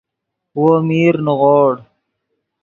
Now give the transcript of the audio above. وو میر نیغوڑ